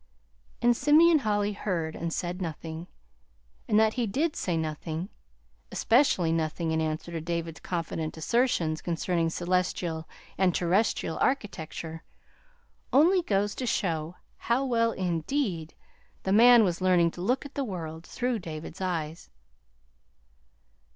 And Simeon Holly heard, and said nothing; and that he did say nothing especially nothing in answer to David's confident assertions concerning celestial and terrestrial architecture only goes to show how well, indeed, the man was learning to look at the world through David's eyes.